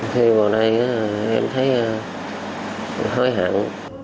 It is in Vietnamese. khi vào đây em thấy hối hận